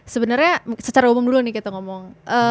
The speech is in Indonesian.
sebenarnya secara umum dulu nih kita ngomong